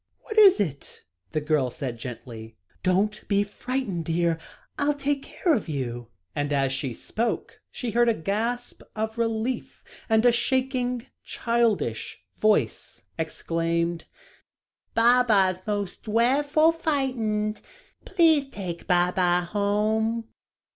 "What is it?" the girl said gently. "Don't be frightened, dear. I'll take care of you," and as she spoke, she heard a gasp of relief, and a shaking, childish voice exclaimed: "Baba's most drefful fightened; please take Baba home."